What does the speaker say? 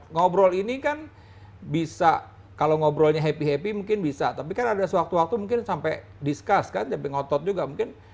ngobrol ini kan bisa kalau ngobrolnya happy happy mungkin bisa tapi kan ada sewaktu waktu mungkin sampai discuss kan sampai ngotot juga mungkin